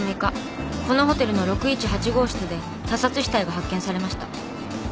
このホテルの６１８号室で他殺死体が発見されました。